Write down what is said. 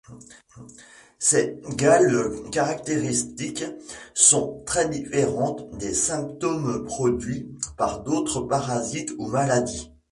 Ces galles, caractéristiques, sont très différentes des symptômes produits par d'autres parasites ou maladies.